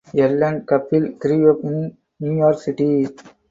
Ellen Kappel grew up in New York City.